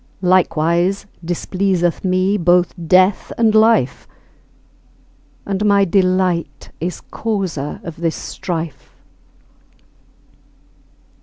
Likewise displeaseth me both death and life, And my delight is causer of this strife.